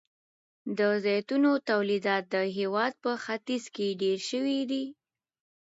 د زیتونو تولیدات د هیواد په ختیځ کې ډیر شوي دي.